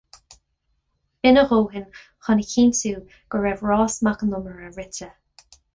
B'in a dhóthain chun a chinntiú go raibh rás Mac an Iomaire rite.